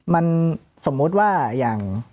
มันสมมุติว่าอย่าง